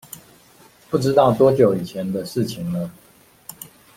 不知道多久以前的事情了